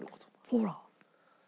ほら。